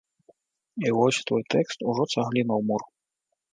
І вось твой тэкст ужо цагліна ў мур.